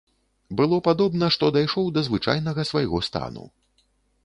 Было падобна, што дайшоў да звычайнага свайго стану.